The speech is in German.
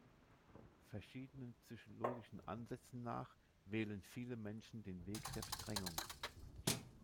Verschiedenen psychologischen Ansätzen nach wählen viele Menschen den Weg der Verdrängung.